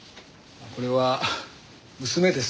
これは娘です。